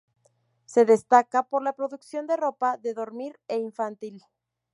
Se destaca por la producción de ropa de dormir e infantil.